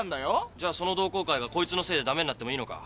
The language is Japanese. じゃあその同好会がこいつのせいでダメになってもいいのか。